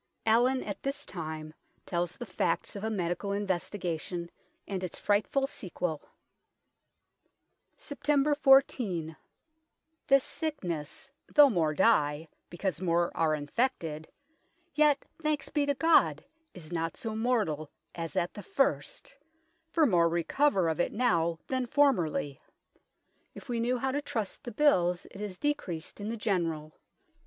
Allin at this time tells the facts of a medical investigation and its frightful sequel " Sept. 14. This sicknes, though more dye, because more are infected, yet, thankes bee to God is not so mortall as at the first, for more recover of it now than formerly. If we knew how to trust the bills it is decreased in the generall.